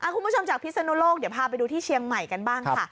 คุณผู้ชมจากพิศนุโลกเดี๋ยวพาไปดูที่เชียงใหม่กันบ้างค่ะ